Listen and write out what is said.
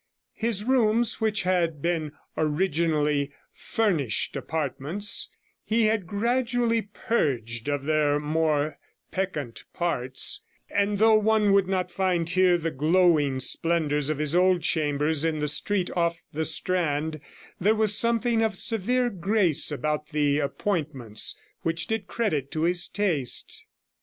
His rooms, which had been originally 'furnished 125 apartments', he had gradually purged of their more peccant parts; and though one would not find here the glowing splendours of his old chambers in the street off the Strand, there was something of severe grace about the appointments which did credit to his taste.